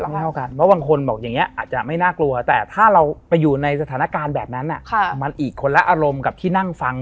แล้วก็พอเหมือนอยู่ในห้อง